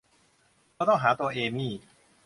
เราต้องหาตัวเอมี่